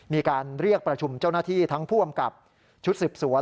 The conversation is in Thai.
มีการเรียกประชุมเจ้าหน้าที่ทั้งผู้อำกับชุดสืบสวน